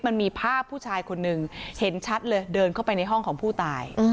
มันมีภาพผู้ชายคนหนึ่งเห็นชัดเลยเดินเข้าไปในห้องของผู้ตาย